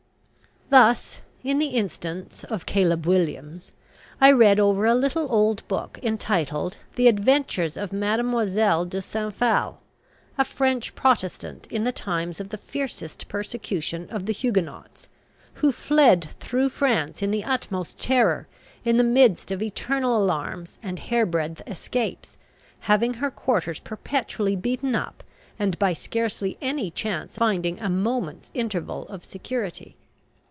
Thus, in the instance of "Caleb Williams," I read over a little old book, entitled "The Adventures of Mademoiselle de St. Phale," a French Protestant in the times of the fiercest persecution of the Huguenots, who fled through France in the utmost terror, in the midst of eternal alarms and hair breadth escapes, having her quarters perpetually beaten up, and by scarcely any chance finding a moment's interval of security.